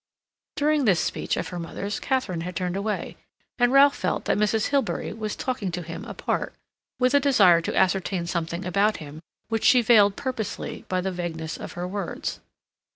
During this speech of her mother's Katharine had turned away, and Ralph felt that Mrs. Hilbery was talking to him apart, with a desire to ascertain something about him which she veiled purposely by the vagueness of her words.